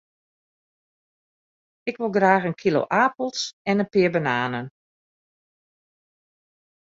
Ik wol graach in kilo apels en in pear bananen.